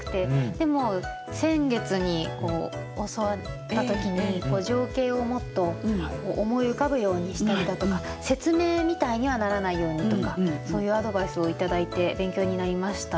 でも先月に教わった時に情景をもっと思い浮かぶようにしたりだとか説明みたいにはならないようにとかそういうアドバイスを頂いて勉強になりました。